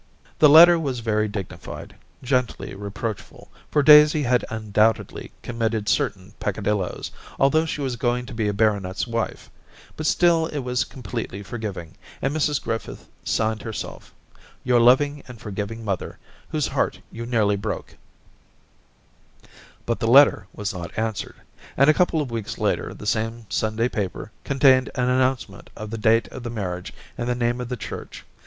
'*' The letter was very dignified, gently re proachful, for Daisy had undoubtedly com mitted certain peccadilloes, although she was going to be a baronet's wife; but still it was completely forgiving, and Mrs Griffith signed herself, * Your loving and forgiving mother y whose heart you nearly broke' But the letter was not answered, and a couple of weeks later the same Sunday paper contained an announcement of the date of the marriage and the name of the church.